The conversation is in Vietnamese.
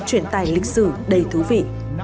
chuyển tài lịch sử đầy thú vị